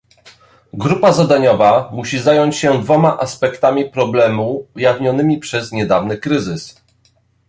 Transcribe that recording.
Grupa zadaniowa musi zająć się dwoma aspektami problemu ujawnionymi przez niedawny kryzys